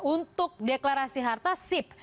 untuk deklarasi harta sip